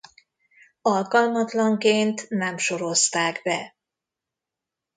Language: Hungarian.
Alkalmatlanként nem sorozták be.